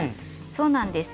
そうなんです。